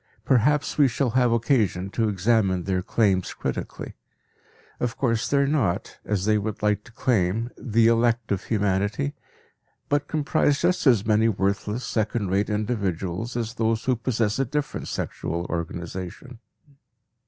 Perhaps we shall have occasion to examine their claims critically. Of course they are not, as they would like to claim, the "elect" of humanity, but comprise just as many worthless second rate individuals as those who possess a different sexual organization.